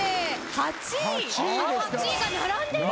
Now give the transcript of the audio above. ８位が並んでる。